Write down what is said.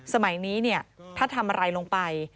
สมัยนี้ถ้าทำอะไรลงไป